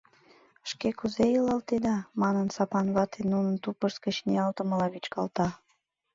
Шке кузе илалтеда? — манын, Сапан вате нуным тупышт гыч ниялтымыла вӱчкалта.